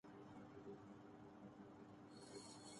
Arlington Texas ویسٹسٹر Massachusetts